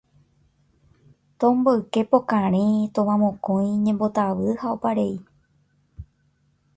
Tomboyke pokarẽ, tovamokõi, ñembotavy ha oparei